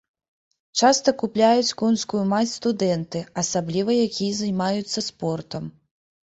Часта купляюць конскую мазь студэнты, асабліва якія займаюцца спортам.